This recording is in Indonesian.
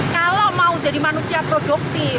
kalau mau jadi manusia produktif